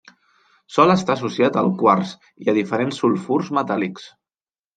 Sol estar associat al quars i a diferents sulfurs metàl·lics.